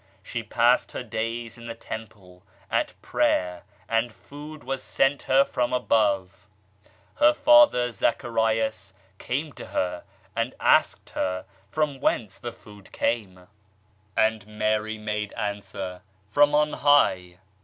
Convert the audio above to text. She passed her days in the Temple at prayer and food was sent her from above. Her father, Zacharias, came to her and asked her from whence the food came, and 42 RELIGIOUS PREJUDICES Mary made answer, ' From on high.'